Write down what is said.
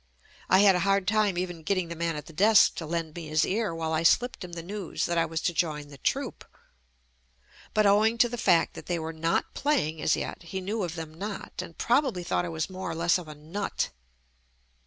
I had a hard time even getting the man at the desk to lend me his ear while I slipped him the news that I was to join the troupe. But owing to the fact that they were not playing as yet he knew of them not, and probably thought I was more or less of a nut.